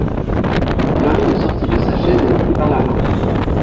Marie le sortit de sa chaise et le prit par la main.